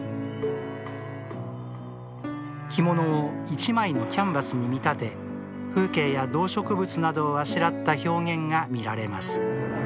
着物を１枚のキャンバスに見立て風景や動植物などをあしらった表現が見られます。